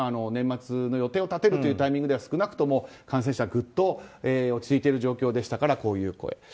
年末の予定を立てるというタイミングでは少なくとも感染者が落ち着いてる状況でしたからこういう声。